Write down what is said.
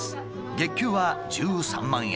月給は１３万円。